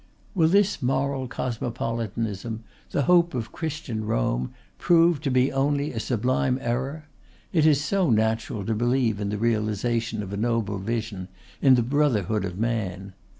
Will this moral cosmopolitanism, the hope of Christian Rome, prove to be only a sublime error? It is so natural to believe in the realization of a noble vision, in the Brotherhood of Man.